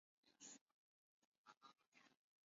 降眉肌是人体其中一块肌肉。